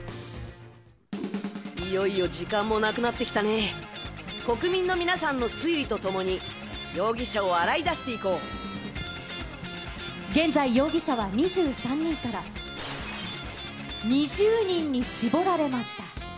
いよいよ時間もなくなってきたね、国民の皆さんの推理とともに、現在、容疑者は２３人から２０人に絞られました。